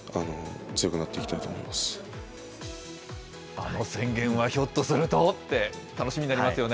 あの宣言は、ひょっとするとって、楽しみになりますよね。